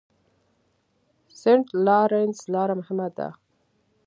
سینټ لارنس لاره مهمه ده.